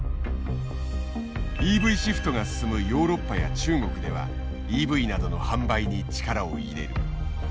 ＥＶシフトが進むヨーロッパや中国ではＥＶなどの販売に力を入れる。